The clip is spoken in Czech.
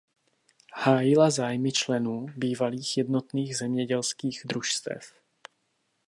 Hájila zájmy členů bývalých Jednotných zemědělských družstev.